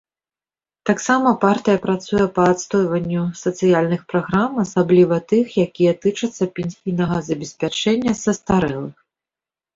Таксама партыя працуе па адстойванню сацыяльных праграм, асабліва тых, якія тычацца пенсійнага забеспячэння састарэлых.